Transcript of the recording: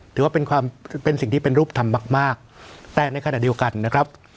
ถือว่าเป็นความเป็นสิ่งที่เป็นรูปธรรมมากมากแต่ในขณะเดียวกันนะครับ